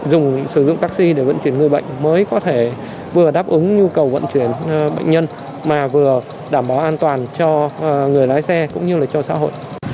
dùng sử dụng taxi để vận chuyển người bệnh mới có thể vừa đáp ứng nhu cầu vận chuyển bệnh nhân mà vừa đảm bảo an toàn cho người lái xe cũng như là cho xã hội